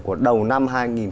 của đầu năm hai nghìn hai mươi